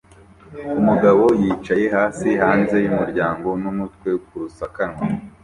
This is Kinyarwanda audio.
Umugabo yicaye hasi hanze y'umuryango n'umutwe ku rusakanwa